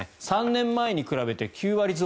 ３年前に比べて９割増。